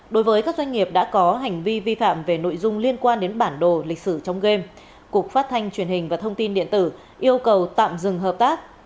đối với các doanh nghiệp đã có hành vi vi phạm về nội dung liên quan đến bản đồ lịch sử trong game cục phát thanh truyền hình và thông tin điện tử yêu cầu tạm dừng hợp tác